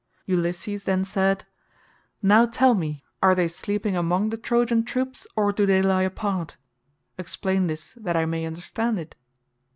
Ulysses then said, "Now tell me; are they sleeping among the Trojan troops, or do they lie apart? Explain this that I may understand it."